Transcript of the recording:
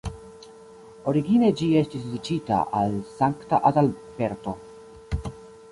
Origine ĝi estis dediĉita al Sankta Adalberto.